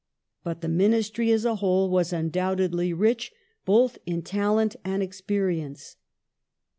But the Ministry as a whole was undeniably rich, both in talent and experience.